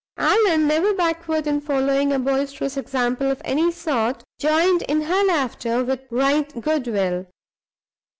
Allan, never backward in following a boisterous example of any sort, joined in her laughter with right goodwill.